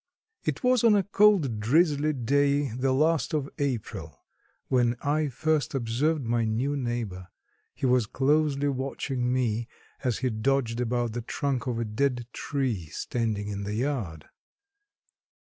It was on a cold drizzly day the last of April, when I first observed my new neighbor. He was closely watching me as he dodged about the trunk of a dead tree standing in the yard.